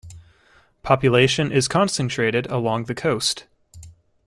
Population is concentrated along the coast.